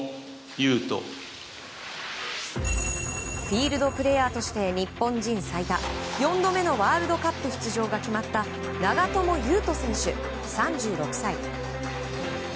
フィールドプレーヤーとして日本人最多４度目のワールドカップ出場が決まった長友佑都選手、３６歳。